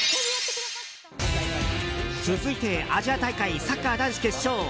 続いて、アジア大会サッカー男子決勝。